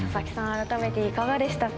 改めていかがでしたか？